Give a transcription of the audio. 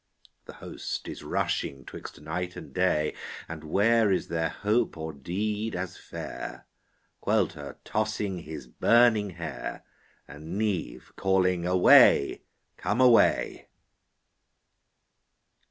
The host is rushing 'twixt night and day, And where is there hope or deed as fair? Caolte tossing his burning hair, And Niamh calling Away, come away.